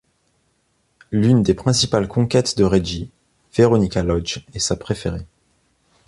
L'une des principales conquêtes de Reggie, Veronica Lodge, est sa préférée.